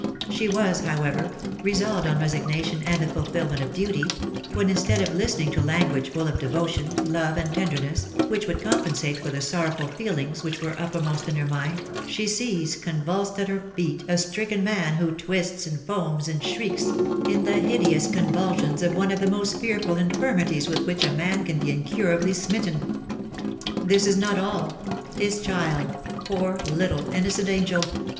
She was, however, resolved on resignation and the fulfilment of duty, when, instead of listening to language full of devotion, love, and tenderness, which would compensate for the sorrowful feelings which were uppermost in her mind, she sees convulsed at her feet a stricken man, who twists, and foams, and shrieks, in the hideous convulsions of one of the most fearful infirmities with which a man can be incurably smitten! This is not all: his child, poor little innocent angel!